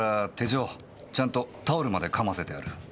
ちゃんとタオルまでかませてある。